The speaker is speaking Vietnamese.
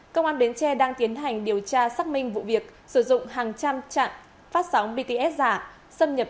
công an bến tre đang tiến hành điều tra xác minh vụ việc sử dụng hàng trăm trạm phát sóng bệnh nhân